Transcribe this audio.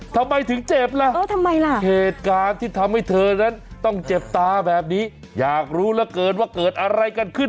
ทำไมถึงเจ็บล่ะเหตุการณ์ที่ทำให้เธอนั้นต้องเจ็บตาแบบนี้อยากรู้เหลือเกินว่าเกิดอะไรกันขึ้น